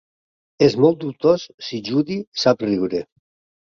És molt dubtós si Judy sap riure.